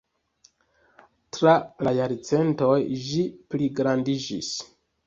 Tra la jarcentoj ĝi pligrandiĝis.